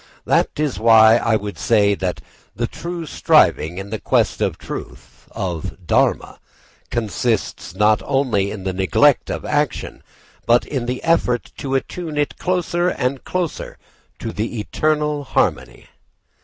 That is why I would say that the true striving in the quest of truth, of dharma, consists not in the neglect of action but in the effort to attune it closer and closer to the eternal harmony.